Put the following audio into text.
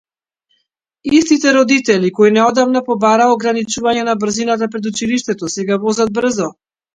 Истите родители кои неодамна побараа ограничување на брзината пред училиштето, сега возат брзо.